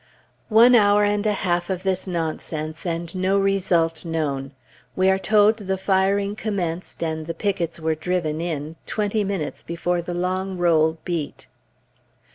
One hour and a half of this nonsense, and no result known. We are told the firing commenced, and the pickets were driven in, twenty minutes before the long roll beat.